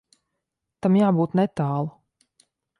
Tam jābūt netālu.